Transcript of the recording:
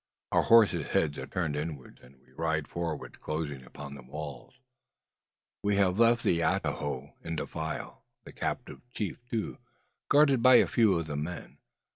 Our horses' heads are turned inwards, and we ride forward, closing upon the walls. We have left the atajo in the defile; the captive chief, too, guarded by a few of the men.